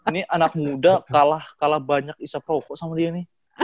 ini anak muda kalah kalah banyak isep rokok sama dia nih